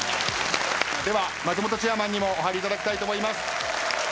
では松本チェアマンにもお入りいただきたいと思います。